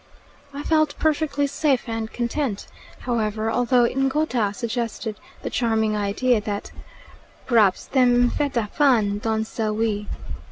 I felt perfectly safe and content, however, although Ngouta suggested the charming idea that "P'r'aps them M'fetta Fan done sell we."